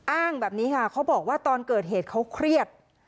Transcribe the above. อ้างแบบนี้ค่ะเขาบอกว่าตอนเกิดเหตุเขาเครียด